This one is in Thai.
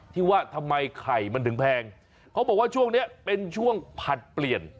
ที่ว่าทำไมไข่มันถึงแพงเขาบอกว่าช่วงนี้เป็นช่วงผลัดเปลี่ยน